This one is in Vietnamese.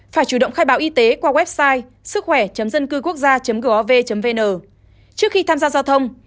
phải chủ động khai báo y tế qua website sức khỏe dân cư quốc gia gov vn trước khi tham gia giao thông